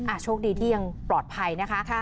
โชคดีที่ยังปลอดภัยนะคะ